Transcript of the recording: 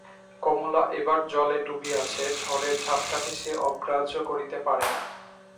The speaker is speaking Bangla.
কমলা একবার জলে ডুবিয়াছে–ঝড়ের ঝাপটাকে সে অগ্রাহ্য করিতে পারে না।